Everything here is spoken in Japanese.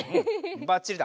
ばっちりだ。